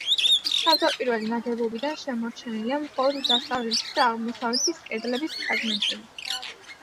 თავდაპირველი ნაგებობიდან შემორჩენილია მხოლოდ დასავლეთის და აღმოსავლეთის კედლების ფრაგმენტები.